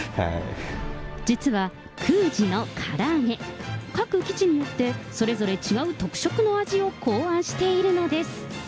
実は空自の空上げ、各基地によって、それぞれ違う特色の味を考案しているのです。